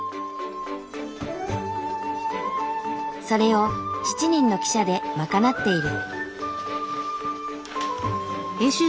それを７人の記者で賄っている。